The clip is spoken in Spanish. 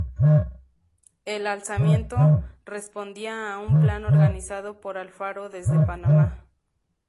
El alzamiento respondía a un plan organizado por Alfaro desde Panamá.